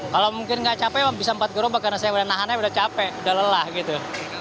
kalau mungkin nggak capek bisa empat gerobak karena saya udah nahannya udah capek udah lelah gitu